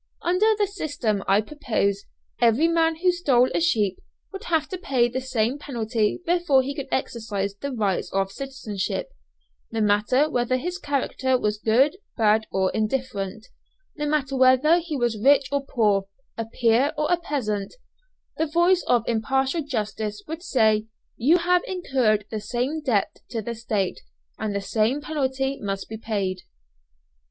Under the system I propose, every man who stole a sheep would have to pay the same penalty before he could exercise the rights of citizenship no matter whether his character was good, bad, or indifferent; no matter whether he was rich or poor, a peer or a peasant, the voice of impartial justice would say, "You have incurred the same debt to the State, and the same penalty must be paid."